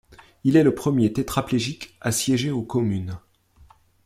Il est le premier tétraplégique à sièger aux communes.